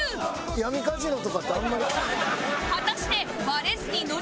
闇カジノとかってあんまり。